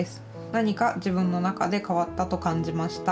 何か自分の中で変わったと感じました。